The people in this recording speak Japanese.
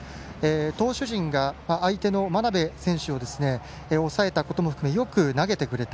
投手陣が相手の真鍋選手を抑えたことも含めよく投げてくれた。